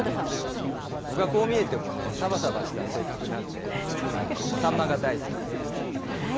僕はこう見えてもね、さばさばした性格なんで、サンマが大好きなんです。